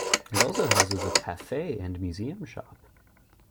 It also houses a cafe and museum shop.